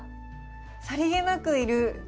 さりげなくいる。